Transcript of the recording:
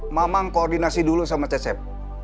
ma mang koordinasi dulu sama cecep